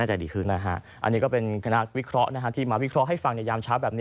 อันนี้ก็เป็นนักวิเคราะห์ที่มาวิเคราะห์ให้ฟังในยามเช้าแบบนี้